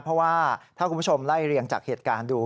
เพราะว่าถ้าคุณผู้ชมไล่เรียงจากเหตุการณ์ดู